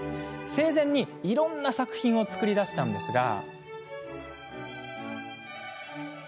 生前、いろんな作品を作り出したんですが。